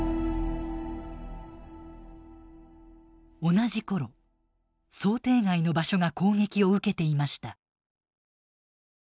同じ頃想定外の場所が攻撃を受けていました。